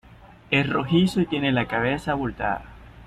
es rojizo y tiene la cabeza abultada